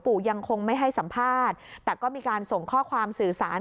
ยังคงไม่ให้สัมภาษณ์แต่ก็มีการส่งข้อความสื่อสาร